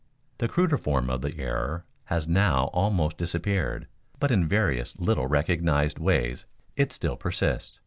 The cruder form of the error has now almost disappeared, but in various little recognized ways it still persists.